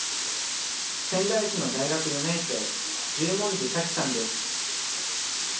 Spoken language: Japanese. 仙台市の大学４年生、重文字彩希さんです。